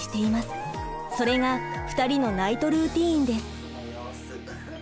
それが２人のナイトルーティーンです。